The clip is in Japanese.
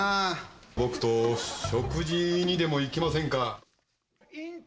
僕と食事にでも行きませんか。